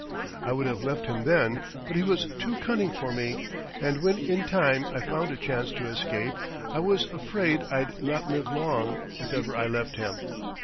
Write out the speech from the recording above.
I would have left him then, but he was too cunning for me, and when in time I found a chance to escape I was afraid I'd not live long if ever I left him.